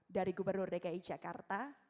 dari gubernur dki jakarta